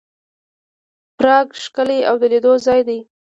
پراګ ښکلی او د لیدلو ښار دی.